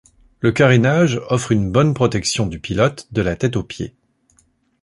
Le carénage offre une bonne protection du pilote, de la tête aux pieds.